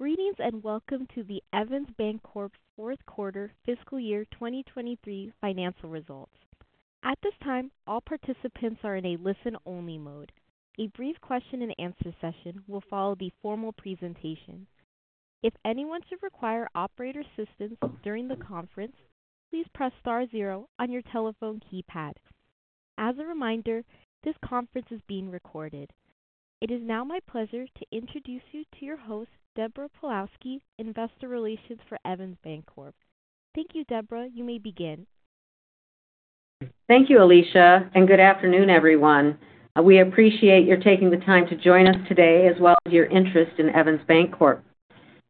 Greetings, and welcome to the Evans Bancorp Q4 fiscal year 2023 financial results. At this time, all participants are in a listen-only mode. A brief question and answer session will follow the formal presentation. If anyone should require operator assistance during the conference, please press star zero on your telephone keypad. As a reminder, this conference is being recorded. It is now my pleasure to introduce you to your host, Deborah Pawlowski, Investor Relations for Evans Bancorp. Thank you, Deborah. You may begin. Thank you, Alicia, and good afternoon, everyone. We appreciate your taking the time to join us today, as well as your interest in Evans Bancorp.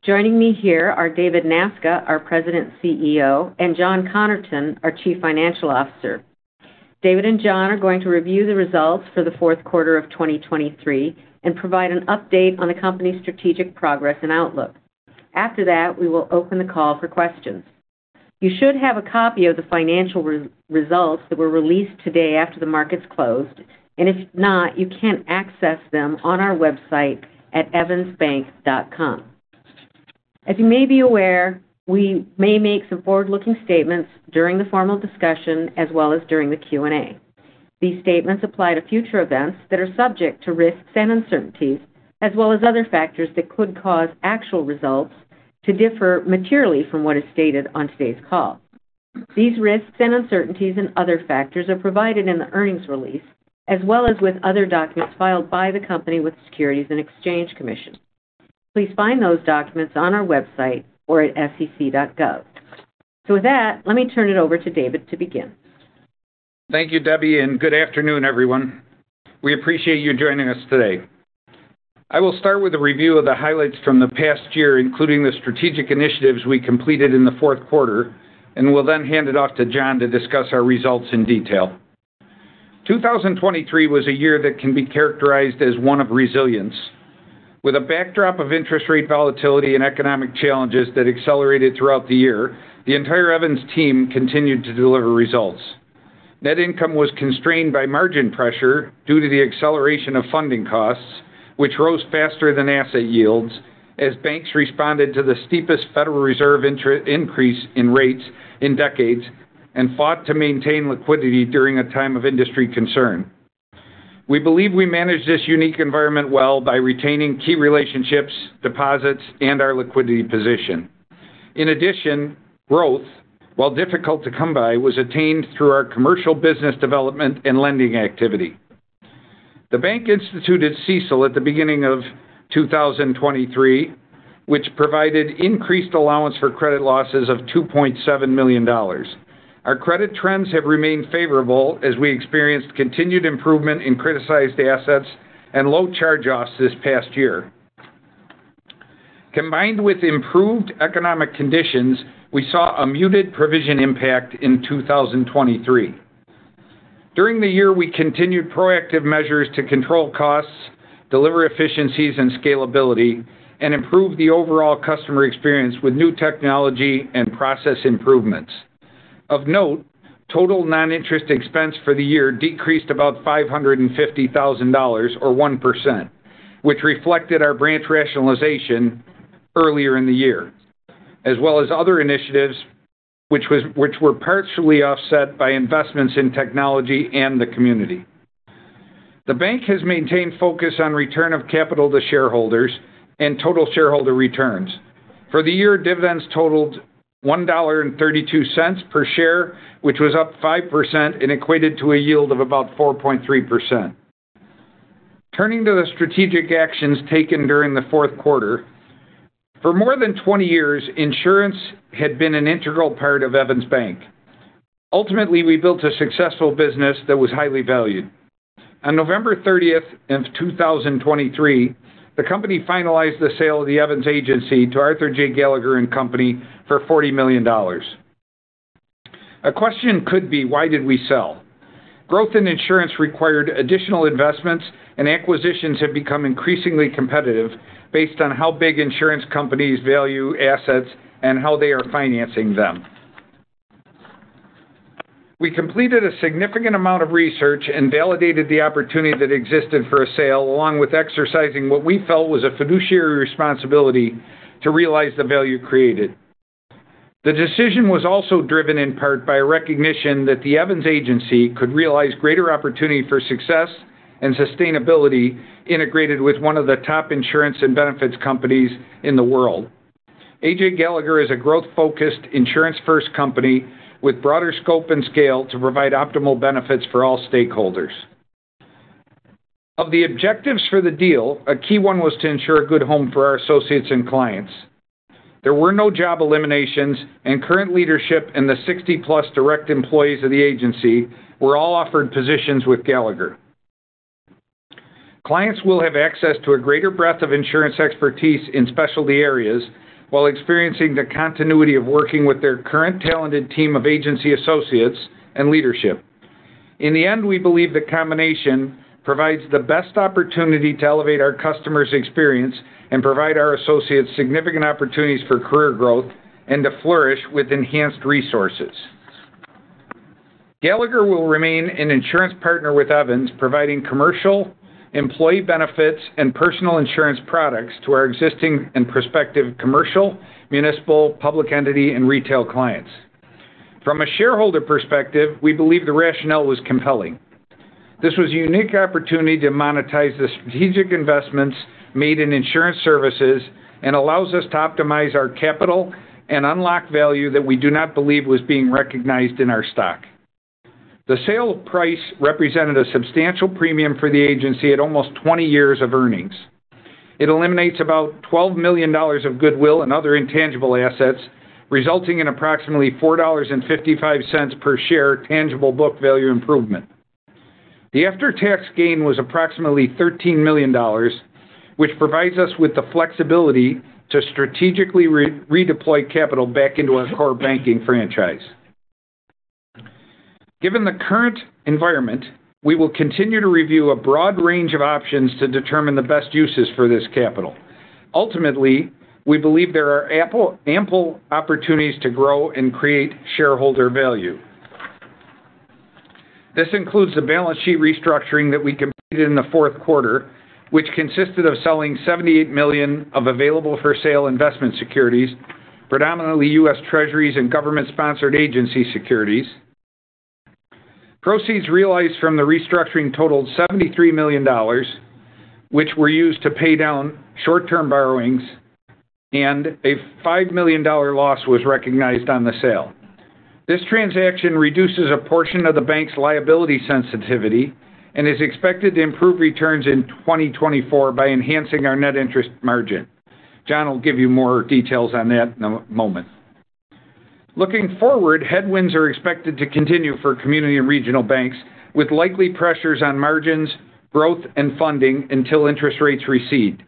Joining me here are David Nasca, our President CEO, and John Connerton, our Chief Financial Officer. David and John are going to review the results for the Q4 of 2023 and provide an update on the company's strategic progress and outlook. After that, we will open the call for questions. You should have a copy of the financial results that were released today after the markets closed, and if not, you can access them on our website at evansbank.com. As you may be aware, we may make some forward-looking statements during the formal discussion as well as during the Q&A. These statements apply to future events that are subject to risks and uncertainties, as well as other factors that could cause actual results to differ materially from what is stated on today's call. These risks and uncertainties and other factors are provided in the earnings release, as well as with other documents filed by the company with the Securities and Exchange Commission. Please find those documents on our website or at sec.gov. With that, let me turn it over to David to begin. Thank you, Debbie, and good afternoon, everyone. We appreciate you joining us today. I will start with a review of the highlights from the past year, including the strategic initiatives we completed in the Q4, and will then hand it off to John to discuss our results in detail. 2023 was a year that can be characterized as one of resilience. With a backdrop of interest rate volatility and economic challenges that accelerated throughout the year, the entire Evans team continued to deliver results. Net income was constrained by margin pressure due to the acceleration of funding costs, which rose faster than asset yields as banks responded to the steepest Federal Reserve interest rate increase in decades and fought to maintain liquidity during a time of industry concern. We believe we managed this unique environment well by retaining key relationships, deposits, and our liquidity position. In addition, growth, while difficult to come by, was attained through our commercial business development and lending activity. The Bank instituted CECL at the beginning of 2023, which provided increased allowance for credit losses of $2.7 million. Our credit trends have remained favorable as we experienced continued improvement in criticized assets and low charge-offs this past year. Combined with improved economic conditions, we saw a muted provision impact in 2023. During the year, we continued proactive measures to control costs, deliver efficiencies and scalability, and improve the overall customer experience with new technology and process improvements. Of note, total non-interest expense for the year decreased about $550,000 or 1%, which reflected our branch rationalization earlier in the year, as well as other initiatives which were partially offset by investments in technology and the community. The bank has maintained focus on return of capital to shareholders and total shareholder returns. For the year, dividends totaled $1.32 per share, which was up 5% and equated to a yield of about 4.3%. Turning to the strategic actions taken during the Q4. For more than 20 years, insurance had been an integral part of Evans Bank. Ultimately, we built a successful business that was highly valued. On November 30th of 2023, the company finalized the sale of the Evans Agency to Arthur J. Gallagher & Company for $40 million. A question could be: Why did we sell? Growth in insurance required additional investments, and acquisitions have become increasingly competitive based on how big insurance companies value assets and how they are financing them. We completed a significant amount of research and validated the opportunity that existed for a sale, along with exercising what we felt was a fiduciary responsibility to realize the value created. The decision was also driven in part by a recognition that the Evans Agency could realize greater opportunity for success and sustainability integrated with one of the top insurance and benefits companies in the world. A.J. Gallagher is a growth-focused, insurance-first company with broader scope and scale to provide optimal benefits for all stakeholders. Of the objectives for the deal, a key one was to ensure a good home for our associates and clients. There were no job eliminations, and current leadership and the sixty-plus direct employees of the agency were all offered positions with Gallagher. Clients will have access to a greater breadth of insurance expertise in specialty areas while experiencing the continuity of working with their current talented team of agency associates and leadership. In the end, we believe the combination provides the best opportunity to elevate our customers' experience and provide our associates significant opportunities for career growth and to flourish with enhanced resources. Gallagher will remain an insurance partner with Evans, providing commercial, employee benefits, and personal insurance products to our existing and prospective commercial, municipal, public entity, and retail clients. From a shareholder perspective, we believe the rationale was compelling. This was a unique opportunity to monetize the strategic investments made in insurance services and allows us to optimize our capital and unlock value that we do not believe was being recognized in our stock. The sale price represented a substantial premium for the agency at almost 20 years of earnings. It eliminates about $12 million of goodwill and other intangible assets, resulting in approximately $4.55 per share tangible book value improvement. The after-tax gain was approximately $13 million, which provides us with the flexibility to strategically redeploy capital back into our core banking franchise. Given the current environment, we will continue to review a broad range of options to determine the best uses for this capital. Ultimately, we believe there are ample, ample opportunities to grow and create shareholder value. This includes the balance sheet restructuring that we completed in theQ4, which consisted of selling $78 million of available-for-sale investment securities, predominantly U.S. Treasuries and government-sponsored agency securities. Proceeds realized from the restructuring totaled $73 million, which were used to pay down short-term borrowings, and a $5 million loss was recognized on the sale. This transaction reduces a portion of the bank's liability sensitivity and is expected to improve returns in 2024 by enhancing our net interest margin. John will give you more details on that in a moment. Looking forward, headwinds are expected to continue for community and regional banks, with likely pressures on margins, growth, and funding until interest rates recede.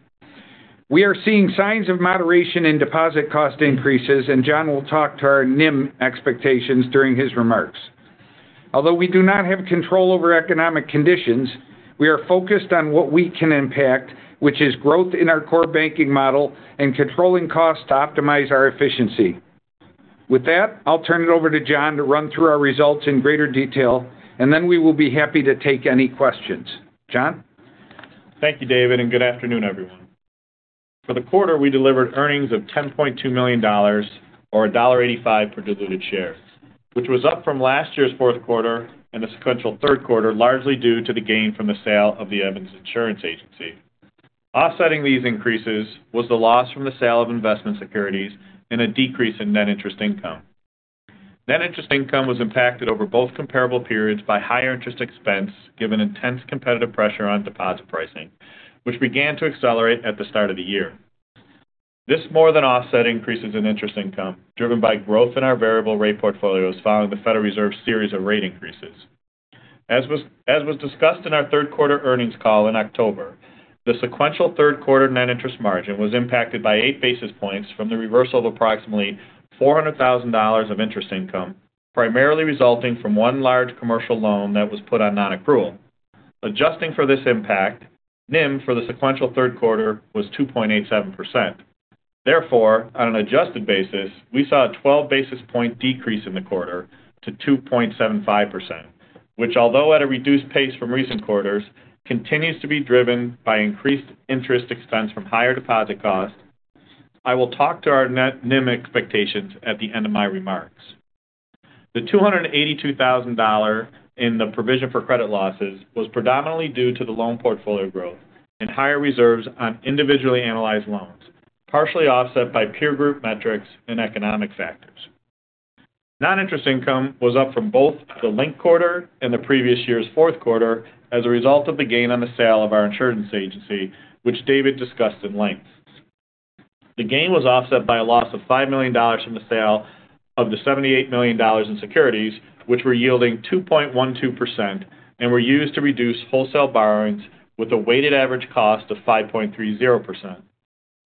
We are seeing signs of moderation in deposit cost increases, and John will talk to our NIM expectations during his remarks. Although we do not have control over economic conditions, we are focused on what we can impact, which is growth in our core banking model and controlling costs to optimize our efficiency. With that, I'll turn it over to John to run through our results in greater detail, and then we will be happy to take any questions. John? Thank you, David, and good afternoon, everyone. For the quarter, we delivered earnings of $10.2 million, or $1.85 per diluted share, which was up from last year's Q4 and the sequential Q3, largely due to the gain from the sale of the Evans Insurance Agency. Offsetting these increases was the loss from the sale of investment securities and a decrease in net interest income. Net interest income was impacted over both comparable periods by higher interest expense, given intense competitive pressure on deposit pricing, which began to accelerate at the start of the year. This more than offset increases in interest income, driven by growth in our variable rate portfolios following the Federal Reserve's series of rate increases. As was discussed in our Q3 earnings call in October, the sequential Q3 net interest margin was impacted by 8 basis points from the reversal of approximately $400,000 of interest income, primarily resulting from one large commercial loan that was put on non-accrual. Adjusting for this impact, NIM for the sequential Q3 was 2.87%. Therefore, on an adjusted basis, we saw a 12 basis point decrease in the quarter to 2.75%, which, although at a reduced pace from recent quarters, continues to be driven by increased interest expense from higher deposit costs. I will talk to our net NIM expectations at the end of my remarks. The $282,000 in the provision for credit losses was predominantly due to the loan portfolio growth and higher reserves on individually analyzed loans, partially offset by peer group metrics and economic factors. Non-interest income was up from both the linked quarter and the previous year's Q4 as a result of the gain on the sale of our insurance agency, which David discussed in length. The gain was offset by a loss of $5 million from the sale of the $78 million in securities, which were yielding 2.12% and were used to reduce wholesale borrowings with a weighted average cost of 5.30%.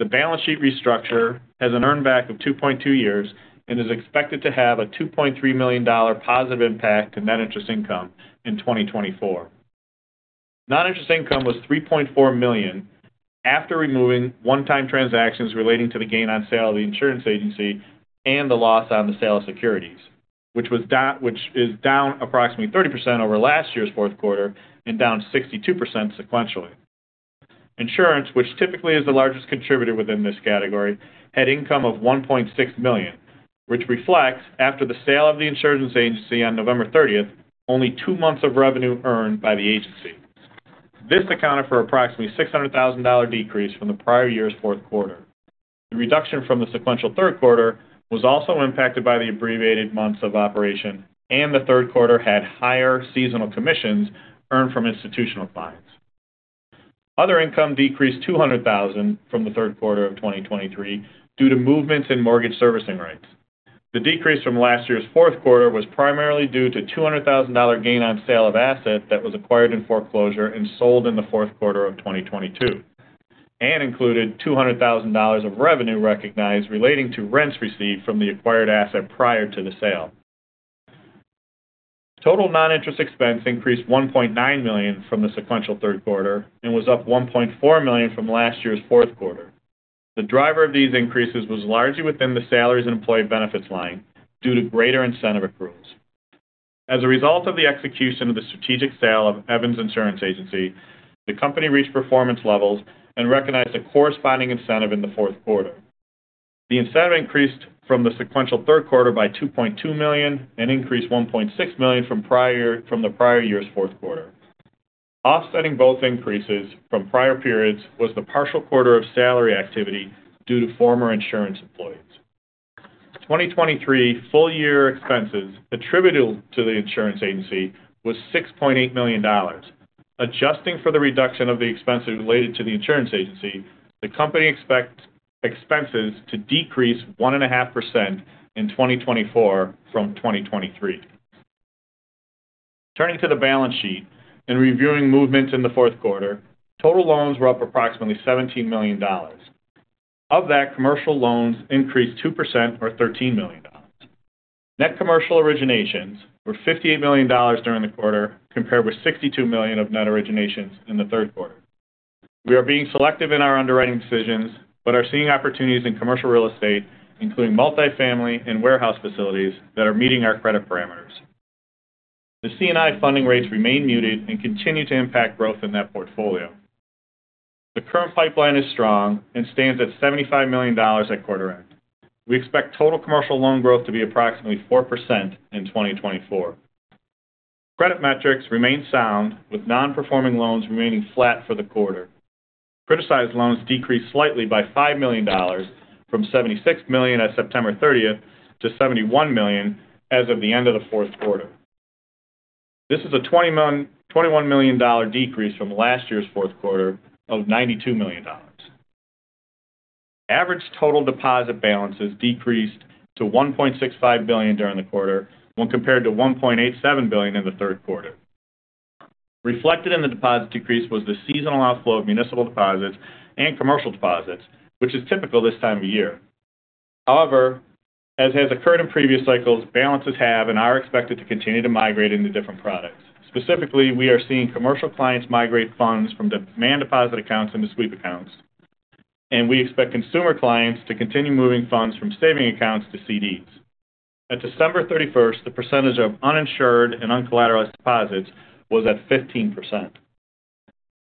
The balance sheet restructure has an earn back of 2.2 years and is expected to have a $2.3 million positive impact to net interest income in 2024. Non-interest income was $3.4 million after removing one-time transactions relating to the gain on sale of the insurance agency and the loss on the sale of securities, which is down approximately 30% over last year's Q4 and down 62% sequentially. Insurance, which typically is the largest contributor within this category, had income of $1.6 million, which reflects, after the sale of the insurance agency on November thirtieth, only two months of revenue earned by the agency. This accounted for approximately $600,000 decrease from the prior year Q4. The reduction from the sequential Q3 was also impacted by the abbreviated months of operation, and the Q3 had higher seasonal commissions earned from institutional clients. Other income decreased $200,000 from the Q3 of 2023 due to movements in mortgage servicing rates. The decrease from last year's Q4 was primarily due to $200,000 gain on sale of asset that was acquired in foreclosure and sold in the Q4 of 2022 and included $200,000 of revenue recognized relating to rents received from the acquired asset prior to the sale. Total noninterest expense increased $1.9 million from the sequential Q3 and was up $1.4 million from last Q4. the driver of these increases was largely within the salaries and employee benefits line due to greater incentive accruals. As a result of the execution of the strategic sale of the Evans Agency, the company reached performance levels and recognized a corresponding incentive in the Q4. The incentive increased from the sequential Q3 by $2.2 million and increased $1.6 million from prior year, from the prior year's Q4. Offsetting both increases from prior periods was the partial quarter of salary activity due to former insurance employees. 2023 full year expenses attributable to the insurance agency was $6.8 million. Adjusting for the reduction of the expenses related to the insurance agency, the company expects expenses to decrease 1.5% in 2024 from 2023. Turning to the balance sheet and reviewing movements in theQ4, total loans were up approximately $17 million. Of that, commercial loans increased 2% or $13 million. Net commercial originations were $58 million during the quarter, compared with $62 million of net originations in the Q3. We are being selective in our underwriting decisions, but are seeing opportunities in commercial real estate, including multifamily and warehouse facilities, that are meeting our credit parameters. The C&I funding rates remain muted and continue to impact growth in that portfolio. The current pipeline is strong and stands at $75 million at quarter end. We expect total commercial loan growth to be approximately 4% in 2024. Credit metrics remain sound, with non-performing loans remaining flat for the quarter. Criticized loans decreased slightly by $5 million from $76 million at September 30th to $71 million as of the end of theQ4. This is a $21 million decrease from last year'sQ4 of $92 million. Average total deposit balances decreased to $1.65 billion during the quarter, when compared to $1.87 billion in the Q3. Reflected in the deposit decrease was the seasonal outflow of municipal deposits and commercial deposits, which is typical this time of year. However, as has occurred in previous cycles, balances have and are expected to continue to migrate into different products. Specifically, we are seeing commercial clients migrate funds from demand deposit accounts into sweep accounts, and we expect consumer clients to continue moving funds from savings accounts to CDs. At December 31, the percentage of uninsured and uncollateralized deposits was at 15%.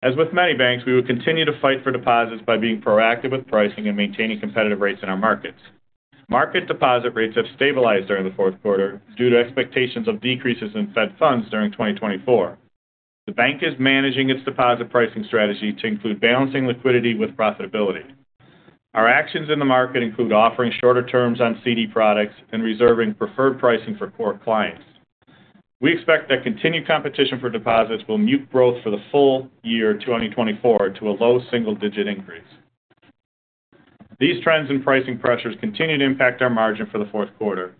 As with many banks, we will continue to fight for deposits by being proactive with pricing and maintaining competitive rates in our markets. Market deposit rates have stabilized during the Q4 due to expectations of decreases in Fed funds during 2024. The bank is managing its deposit pricing strategy to include balancing liquidity with profitability. Our actions in the market include offering shorter terms on CD products and reserving preferred pricing for core clients. We expect that continued competition for deposits will mute growth for the full year, 2024, to a low single-digit increase. These trends and pricing pressures continue to impact our margin for the Q4.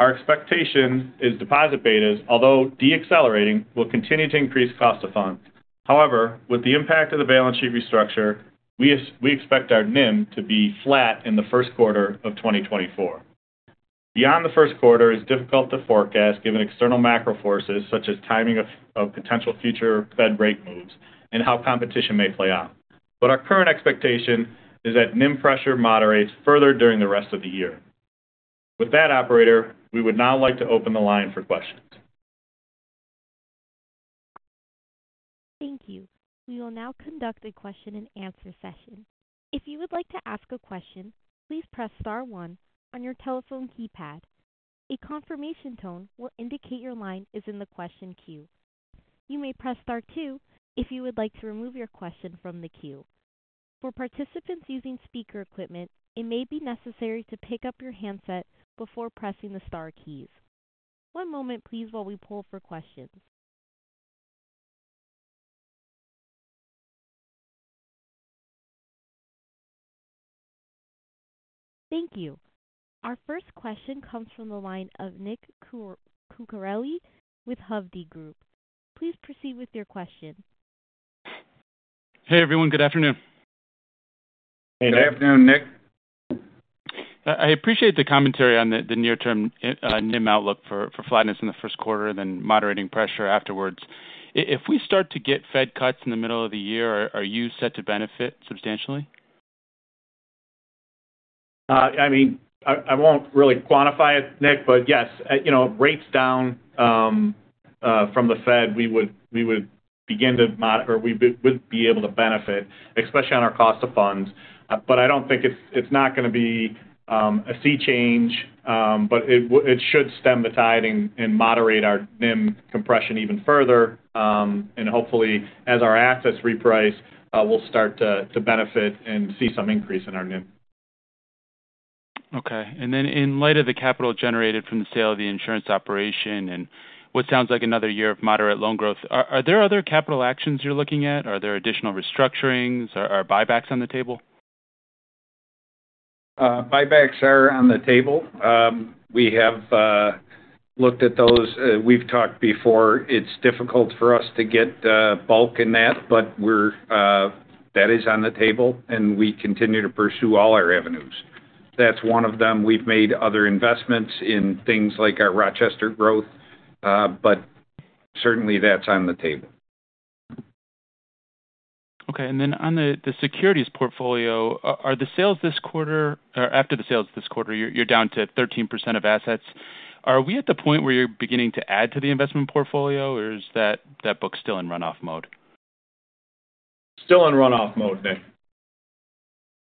Our expectation is deposit betas, although decelerating, will continue to increase cost of funds. However, with the impact of the balance sheet restructure, we expect our NIM to be flat in the Q1 of 2024. Beyond the Q1 is difficult to forecast, given external macro forces such as timing of potential future Fed rate moves and how competition may play out. But our current expectation is that NIM pressure moderates further during the rest of the year. With that, operator, we would now like to open the line for questions. Thank you. We will now conduct a question and answer session. If you would like to ask a question, please press star one on your telephone keypad. A confirmation tone will indicate your line is in the question queue. You may press star two if you would like to remove your question from the queue. For participants using speaker equipment, it may be necessary to pick up your handset before pressing the star keys. One moment, please, while we poll for questions. Thank you. Our first question comes from the line of Nick Cucharale with Hovde Group. Please proceed with your question. Hey, everyone. Good afternoon. Good afternoon, Nick. I appreciate the commentary on the near-term NIM outlook for flatness in the Q1 and then moderating pressure afterwards. If we start to get Fed cuts in the middle of the year, are you set to benefit substantially? I mean, I won't really quantify it, Nick, but yes, you know, rates down from the Fed, we would be able to benefit, especially on our cost of funds. But I don't think it's—It's not going to be a sea change, but it should stem the tide and moderate our NIM compression even further. And hopefully, as our assets reprice, we'll start to benefit and see some increase in our NIM. Okay. And then in light of the capital generated from the sale of the insurance operation and what sounds like another year of moderate loan growth, are there other capital actions you're looking at? Are there additional restructurings? Are buybacks on the table? Buybacks are on the table. We have looked at those. We've talked before. It's difficult for us to get bulk in that, but we're, that is on the table, and we continue to pursue all our avenues. That's one of them. We've made other investments in things like our Rochester growth, but certainly that's on the table. ... Okay, and then on the securities portfolio, are the sales this quarter or after the sales this quarter, you're down to 13% of assets. Are we at the point where you're beginning to add to the investment portfolio, or is that book still in run-off mode? Still in run-off mode, Nick.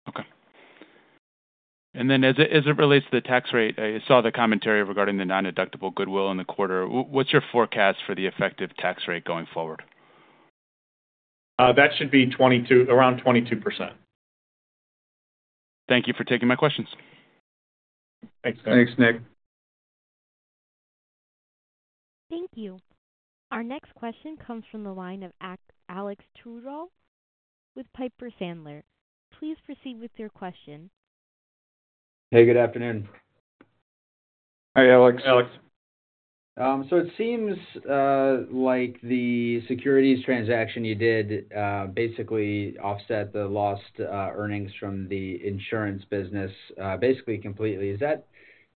Okay. And then as it, as it relates to the tax rate, I saw the commentary regarding the nondeductible goodwill in the quarter. What's your forecast for the effective tax rate going forward? That should be 22, around 22%. Thank you for taking my questions. Thanks, Nick. Thanks, Nick. Thank you. Our next question comes from the line of Alex Twerdahl with Piper Sandler. Please proceed with your question. Hey, good afternoon. Hi, Alex. Alex. So it seems like the securities transaction you did basically offset the lost earnings from the insurance business basically completely. Is that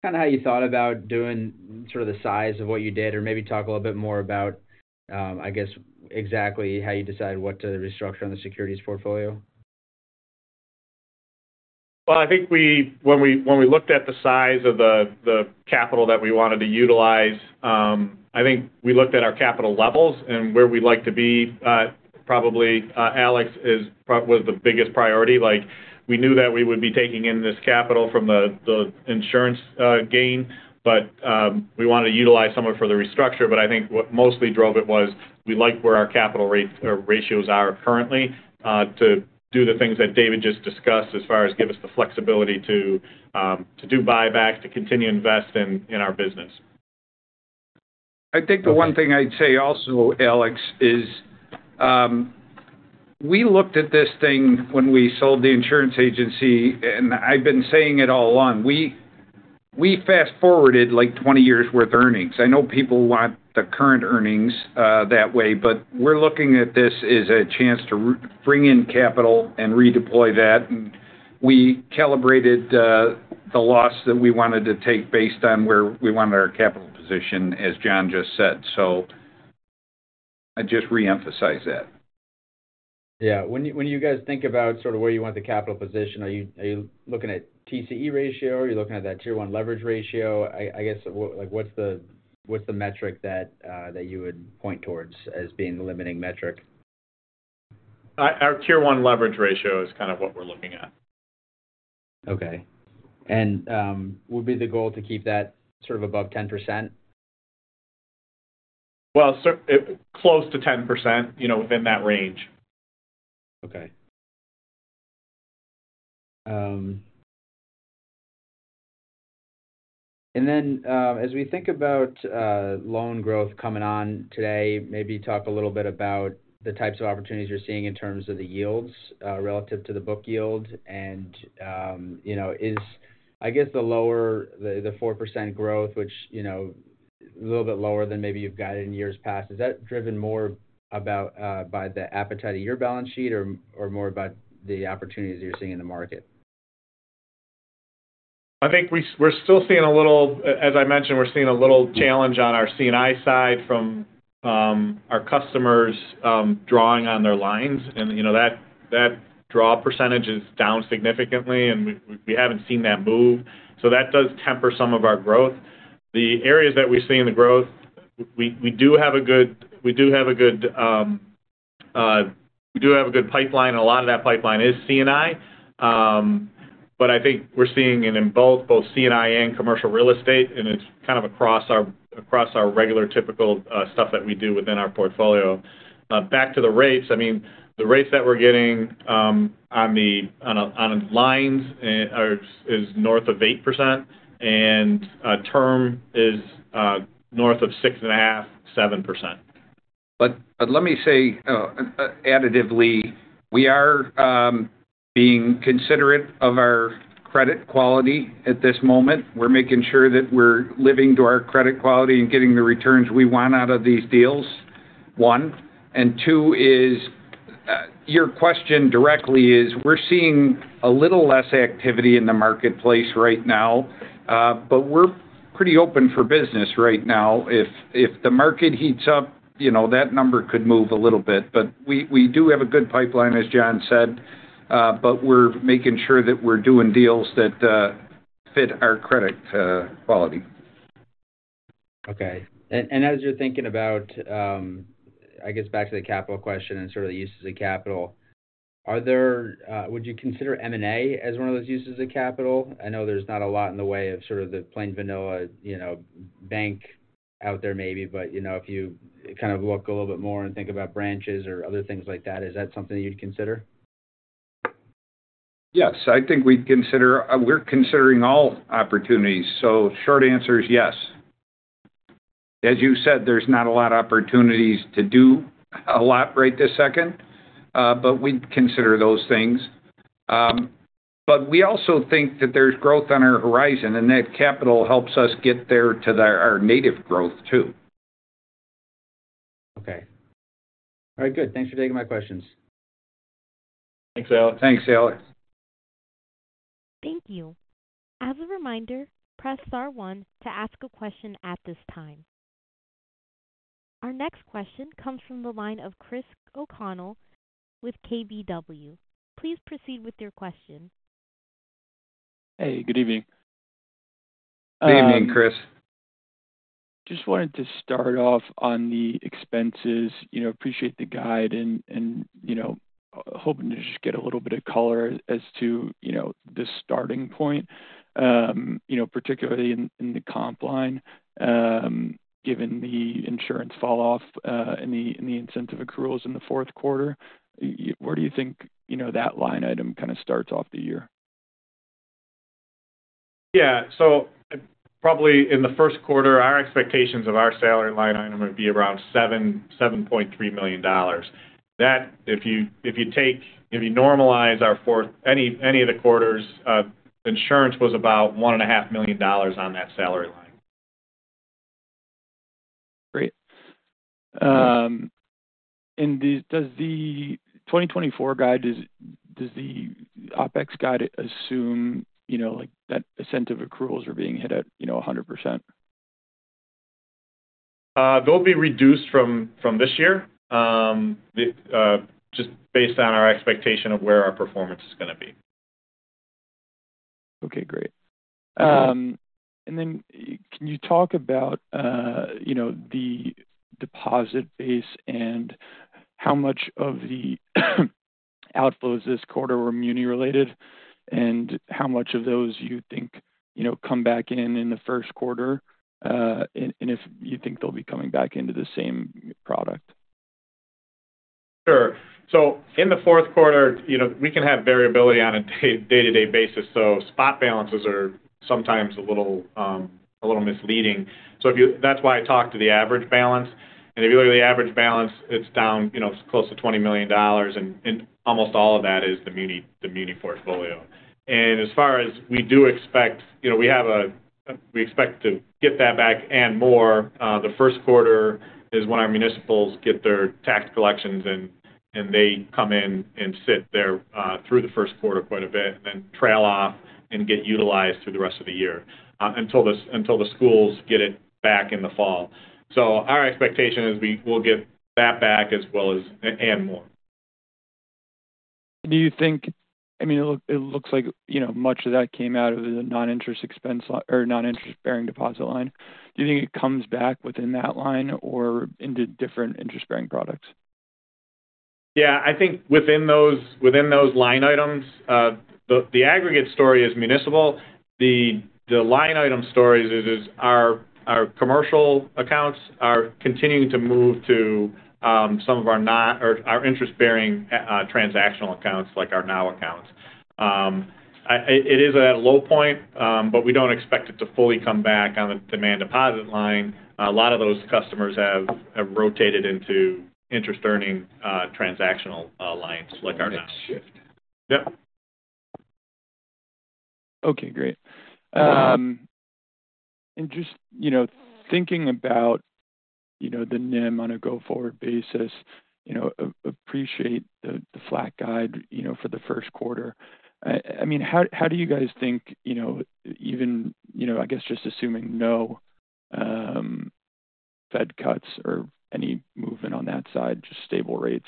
kind of how you thought about doing sort of the size of what you did? Or maybe talk a little bit more about, I guess, exactly how you decided what to restructure on the securities portfolio. Well, I think we—when we looked at the size of the capital that we wanted to utilize, I think we looked at our capital levels and where we'd like to be, probably, Alex, was the biggest priority. Like, we knew that we would be taking in this capital from the insurance gain, but we wanted to utilize some of it for the restructure. But I think what mostly drove it was we like where our capital rate ratios are currently, to do the things that David just discussed as far as give us the flexibility to do buybacks, to continue to invest in our business. I think the one thing I'd say also, Alex, is, we looked at this thing when we sold the insurance agency, and I've been saying it all along, we, we fast-forwarded like 20 years' worth of earnings. I know people want the current earnings, that way, but we're looking at this as a chance to bring in capital and redeploy that. And we calibrated, the loss that we wanted to take based on where we wanted our capital position, as John just said. So I'd just reemphasize that. Yeah. When you, when you guys think about sort of where you want the capital position, are you, are you looking at TCE ratio, or are you looking at that Tier 1 leverage ratio? I, I guess, like, what's the, what's the metric that that you would point towards as being the limiting metric? Our Tier 1 leverage ratio is kind of what we're looking at. Okay. And, would be the goal to keep that sort of above 10%? Well, close to 10%, you know, within that range. Okay. And then, as we think about, loan growth coming on today, maybe talk a little bit about the types of opportunities you're seeing in terms of the yields, relative to the book yield. And, you know, is... I guess, the lower, the, the 4% growth, which, you know, a little bit lower than maybe you've got in years past, is that driven more about, by the appetite of your balance sheet or, or more about the opportunities you're seeing in the market? I think we're still seeing a little, as I mentioned, we're seeing a little challenge on our C&I side from our customers drawing on their lines. And, you know, that draw percentage is down significantly, and we haven't seen that move. So that does temper some of our growth. The areas that we're seeing the growth, we do have a good pipeline, and a lot of that pipeline is C&I. But I think we're seeing it in both C&I and commercial real estate, and it's kind of across our regular, typical stuff that we do within our portfolio. Back to the rates, I mean, the rates that we're getting on the lines is north of 8%, and term is north of 6.5%-7%. But let me say, additionally, we are being considerate of our credit quality at this moment. We're making sure that we're living to our credit quality and getting the returns we want out of these deals, one. And two is, your question directly is, we're seeing a little less activity in the marketplace right now, but we're pretty open for business right now. If the market heats up, you know, that number could move a little bit. But we do have a good pipeline, as John said, but we're making sure that we're doing deals that fit our credit quality. Okay. And as you're thinking about, I guess, back to the capital question and sort of the uses of capital, would you consider M&A as one of those uses of capital? I know there's not a lot in the way of sort of the plain vanilla, you know, bank out there, maybe, but, you know, if you kind of look a little bit more and think about branches or other things like that, is that something you'd consider? Yes, I think we'd consider. We're considering all opportunities. So short answer is yes. As you said, there's not a lot of opportunities to do a lot right this second, but we'd consider those things. But we also think that there's growth on our horizon, and that capital helps us get there to the, our native growth, too. Okay. All right, good. Thanks for taking my questions. Thanks, Alex. Thanks, Alex.... Thank you. As a reminder, press star one to ask a question at this time. Our next question comes from the line of Chris O'Connell with KBW. Please proceed with your question. Hey, good evening. Good evening, Chris. Just wanted to start off on the expenses. You know, appreciate the guide and, you know, hoping to just get a little bit of color as to, you know, the starting point, you know, particularly in the comp line, given the insurance falloff, and the incentive accruals in theQ4. Where do you think, you know, that line item kind of starts off the year? Yeah. So probably in the Q1, our expectations of our salary line item would be around $7-$7.3 million. That, if you take, if you normalize our fourth... Any of the quarters, insurance was about $1.5 million on that salary line. Great. And the 2024 guide, does the OpEx guide assume, you know, like, that incentive accruals are being hit at, you know, 100%? They'll be reduced from this year, just based on our expectation of where our performance is going to be. Okay, great. And then can you talk about, you know, the deposit base and how much of the outflows this quarter were muni-related, and how much of those you think, you know, come back in, in the Q1? And if you think they'll be coming back into the same product. Sure. So in the Q4, you know, we can have variability on a day-to-day basis, so spot balances are sometimes a little, a little misleading. So if you... That's why I talk to the average balance. And if you look at the average balance, it's down, you know, close to $20 million, and, and almost all of that is the muni, the muni portfolio. And as far as we do expect, you know, we have a, we expect to get that back and more. The Q1 is when our municipals get their tax collections, and, and they come in and sit there, through the Q1 quite a bit, and then trail off and get utilized through the rest of the year, until the, until the schools get it back in the fall. So our expectation is we will get that back as well as and more. Do you think... I mean, it looks like, you know, much of that came out of the non-interest expense line or non-interest-bearing deposit line. Do you think it comes back within that line or into different interest-bearing products? Yeah, I think within those line items, the aggregate story is municipal. The line item stories is our commercial accounts are continuing to move to some of our non or our interest-bearing transactional accounts like our NOW accounts. It is at a low point, but we don't expect it to fully come back on the demand deposit line. A lot of those customers have rotated into interest-earning transactional lines like our NOW. Shift. Yep. Okay, great. And just, you know, thinking about, you know, the NIM on a go-forward basis, you know, appreciate the flat guide, you know, for the Q1. I mean, how do you guys think, you know, even, you know, I guess just assuming no Fed cuts or any movement on that side, just stable rates,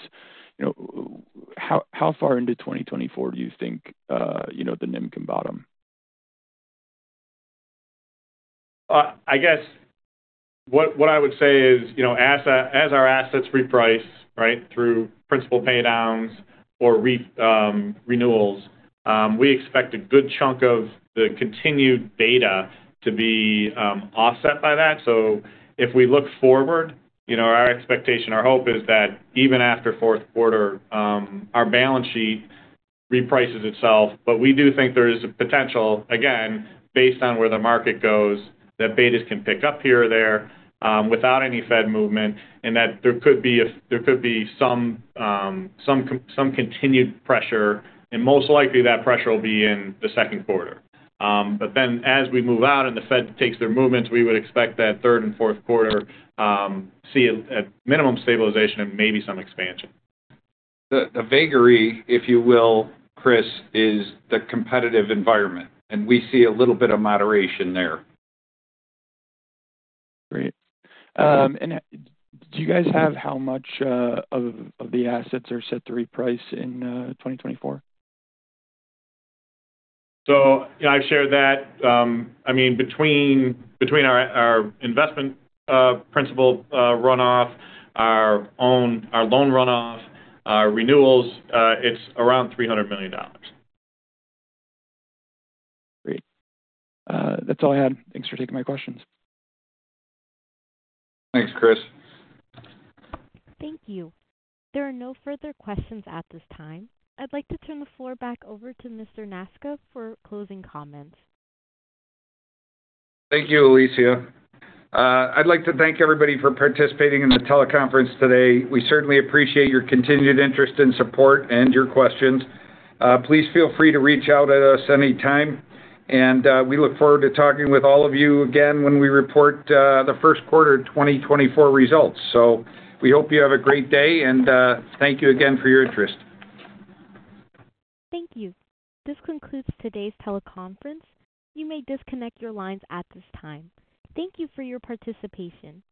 you know, how far into 2024 do you think, you know, the NIM can bottom? I guess what I would say is, you know, as as our assets reprice, right, through principal paydowns or renewals, we expect a good chunk of the continued beta to be offset by that. So if we look forward, you know, our expectation, our hope is that even after Q4, our balance sheet reprices itself. But we do think there is a potential, again, based on where the market goes, that betas can pick up here or there, without any Fed movement, and that there could be some continued pressure, and most likely that pressure will be in the Q2. But then as we move out and the Fed takes their movements, we would expect that third and Q4 see a minimum stabilization and maybe some expansion. The vaguery, if you will, Chris, is the competitive environment, and we see a little bit of moderation there. Great. And do you guys have how much of the assets are set to reprice in 2024? So yeah, I've shared that. I mean, between our investment principal runoff, our loan runoff, our renewals, it's around $300 million. Great. That's all I had. Thanks for taking my questions. Thanks, Chris. Thank you. There are no further questions at this time. I'd like to turn the floor back over to Mr. Nasca for closing comments. Thank you, Alicia. I'd like to thank everybody for participating in the teleconference today. We certainly appreciate your continued interest and support and your questions. Please feel free to reach out to us anytime, and we look forward to talking with all of you again when we report the Q1 of 2024 results. So we hope you have a great day, and thank you again for your interest. Thank you. This concludes today's teleconference. You may disconnect your lines at this time. Thank you for your participation.